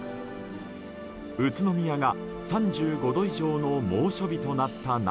宇都宮が３５度以上の猛暑日となった中